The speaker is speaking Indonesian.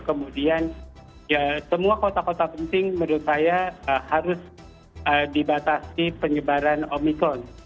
kemudian semua kota kota penting menurut saya harus dibatasi penyebaran omikron